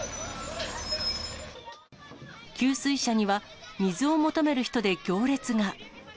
給水車には水を求める人で行列が。